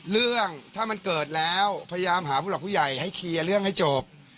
เรื่องถ้ามันเกิดแล้วพยายามหาผู้หลักผู้ใหญ่ให้เคลียร์เรื่องให้จบ